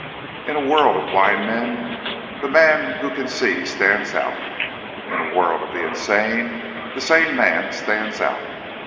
_ _In a world of blind men, the man who can see stands out. In a world of the insane, the sane man stands out.